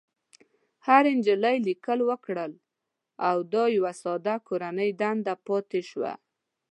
هرې نجلۍ ليکل وکړل او دا يوه ساده کورنۍ دنده پاتې شوه.